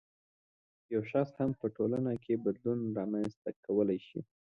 یو شخص هم په ټولنه کې بدلون رامنځته کولای شي.